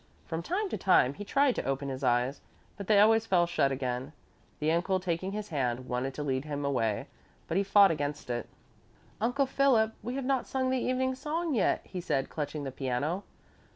From time to time he tried to open his eyes, but they always fell shut again. The uncle, taking his hand, wanted to lead him away, but he fought against it. "Uncle Philip, we have not sung the evening song yet," he said, clutching the piano.